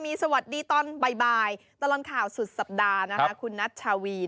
มีสวัสดีตอนบ่ายตลอดข่าวสุดสัปดาห์นะคะคุณนัชชาวี